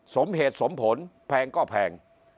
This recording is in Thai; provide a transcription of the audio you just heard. สมเหตุสมผลแพงก็แพง